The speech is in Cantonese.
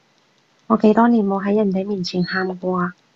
我幾多年冇喺人哋面前喊過啊